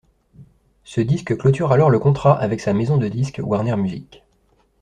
Ce disque clôture alors le contrat avec sa maison de disques Warner Music.